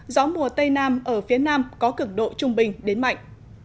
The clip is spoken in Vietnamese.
gió mùa tây nam ở phía nam có cực độ trung bình đến mạnh